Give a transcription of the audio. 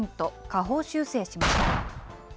下方修正しました。